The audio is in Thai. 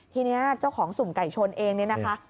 ทีนี้เจ้าของสุ่มไก่ชนเองเนี่ยนะคะ